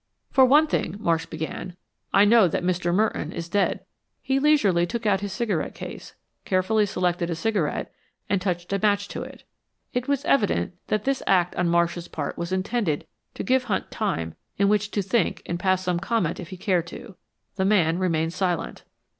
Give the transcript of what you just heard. "For one thing," Marsh began, "I know that Mr. Merton is dead." He leisurely took out his cigarette case, carefully selected a cigarette, and touch a match to it. It was evident, that this act on Marsh's part was intended to give Hunt time in which to think and pass some comment if he cared to. The man remained silent.